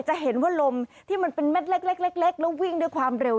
จะเห็นว่าลมที่มันเป็นเม็ดเล็กแล้ววิ่งด้วยความเร็ว